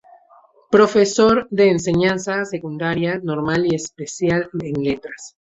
Profesor de enseñanza secundaria, normal y especial en Letras.